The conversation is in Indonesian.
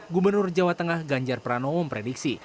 gubernur jawa tengah ganjar pranowo memprediksi